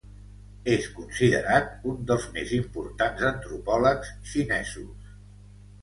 És considerat un dels més importants antropòlegs xinesos.